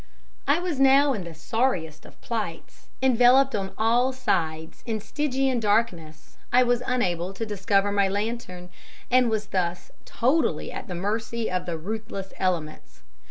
"I was now in the sorriest of plights enveloped on all sides in Stygian darkness I was unable to discover my lantern, and was thus totally at the mercy of the ruthless elements.